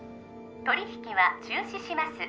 取引は中止します